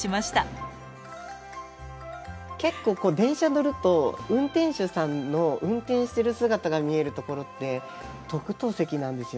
結構電車乗ると運転手さんの運転してる姿が見える所って特等席なんですよね。